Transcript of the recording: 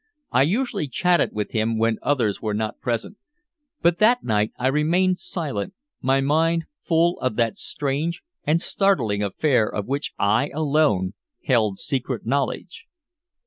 I usually chatted with him when others were not present, but that night I remained silent, my mind full of that strange and startling affair of which I alone held secret knowledge.